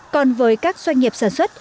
còn với các doanh nghiệp sản xuất